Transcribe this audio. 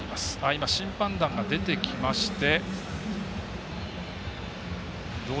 今、審判団が出てきました。